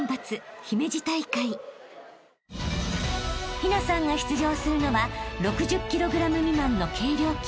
［陽奈さんが出場するのは６０ｋｇ未満の軽量級］